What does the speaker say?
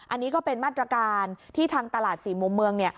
อันนี้ก็เป็นมาตรการที่ทางตลาดสี่มุมเมืองเนี่ย